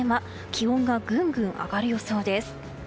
気温がぐんぐん上がる予想です。